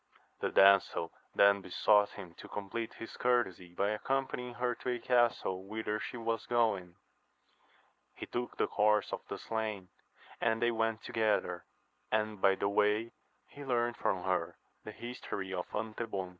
The damsel then besought him to compleat his courtesy by accompanying her to a castle whither she was going. He took the horse of the slain, and they went on together, and by the way he learnt from her the history of Antebon.